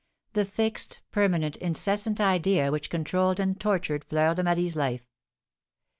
the fixed, permanent, incessant idea which controlled and tortured Fleur de Marie's life.